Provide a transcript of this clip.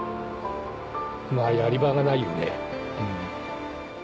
まぁやり場がないよねうん。